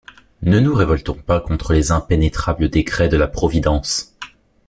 Ne nous révoltons pas contre les impénétrables décrets de la providence.